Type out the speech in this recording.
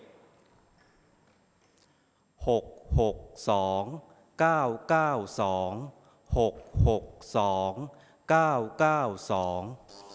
หกหกสองเก้าเก้าสองเก้าเก้าสอง